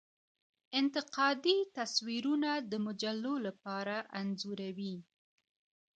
انتقادي تصویرونه د مجلو لپاره انځوروي.